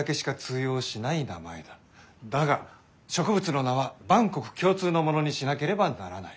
だが植物の名は万国共通のものにしなければならない。